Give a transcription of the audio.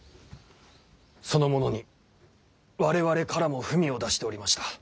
その者に我々からも文を出しておりました。